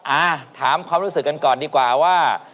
อ่าถามความรู้สึกกันก่อนดีกว่าว่า